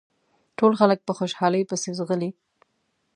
ټول خلک په خوشحالۍ پسې ځغلي.